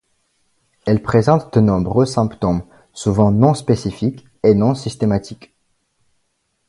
Elle présente de nombreux symptômes, souvent non spécifiques et non systématiques.